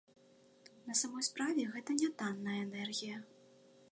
На самой справе гэта нятанная энергія.